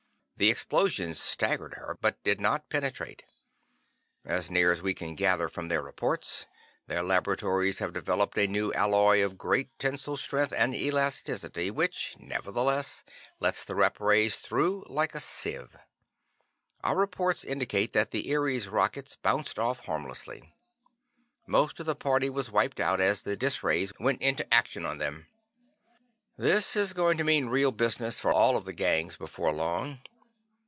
The explosions staggered her, but did not penetrate. As near as we can gather from their reports, their laboratories have developed a new alloy of great tensile strength and elasticity which nevertheless lets the rep rays through like a sieve. Our reports indicate that the Eries' rockets bounced off harmlessly. Most of the party was wiped out as the dis rays went into action on them. "This is going to mean real business for all of the gangs before long.